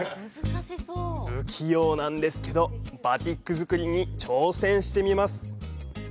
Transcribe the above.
不器用なんですけどバティック作りに挑戦してみます！